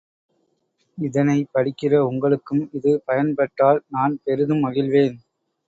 இதனைப் படிக்கிற உங்களுக்கும் இது பயன் பட்டால் நான் பெரிதும் மகிழ்வேன்.